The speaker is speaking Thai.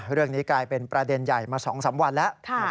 เรื่องนี้กลายเป็นประเด็นใหญ่มา๒๓วันแล้ว